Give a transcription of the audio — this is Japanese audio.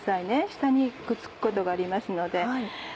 下にくっつくことがありますので。